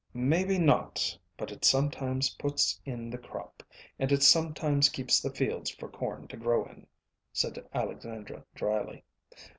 "Maybe not, but it sometimes puts in the crop, and it sometimes keeps the fields for corn to grow in," said Alexandra dryly.